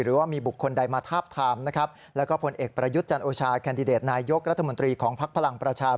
รัฐมนตรีและมีรัฐบาลใหม่เกิดขึ้นซะก่อนครับ